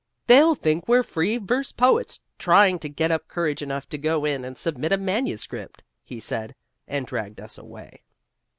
"They'll think we're free verse poets trying to get up courage enough to go in and submit a manuscript," he said, and dragged us away.